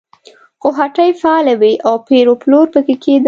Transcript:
خو هټۍ فعالې وې او پېر و پلور پکې کېده.